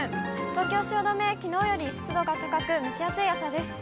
東京・汐留、きのうより湿度が高く、蒸し暑い朝です。